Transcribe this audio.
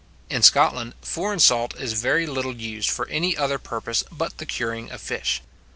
In Scotland, foreign salt is very little used for any other purpose but the curing of fish.